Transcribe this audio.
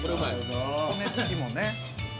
骨付きもね。